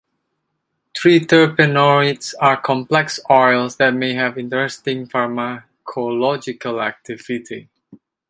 Triterpenoids are complex oils that may have interesting pharmacological activity.